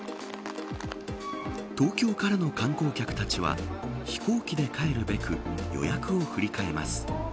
東京からの観光客たちは飛行機で帰るべく予約を振り替えます。